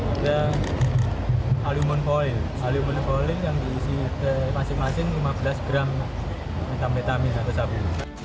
ada aluminium foil yang diisi masing masing lima belas gram metapetamin atau sabu